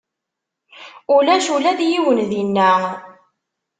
Ulac ula d yiwen dinna.